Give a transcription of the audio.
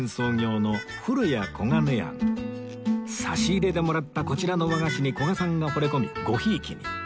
差し入れでもらったこちらの和菓子に古賀さんがほれ込みごひいきに